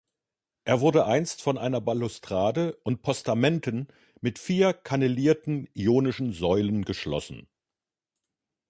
Er wurde einst von einer Balustrade und Postamenten mit vier kannelierten ionischen Säulen geschlossen.